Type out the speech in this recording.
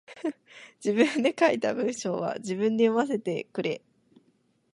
自分で書いた文章は自分で読ませてくれ。